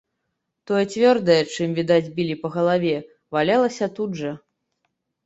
Тое цвёрдае, чым, відаць, білі па галаве, валялася тут жа.